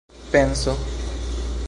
penso